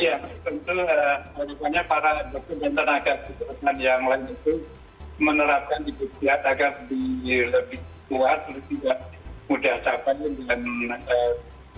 harapannya para dokter dan tenaga kesehatan yang lain itu menerapkan kebutuhan agar lebih kuat lebih mudah capai dan